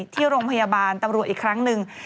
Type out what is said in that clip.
ที่โรงพยาบาลตำรวจอีกครั้งหนึ่ง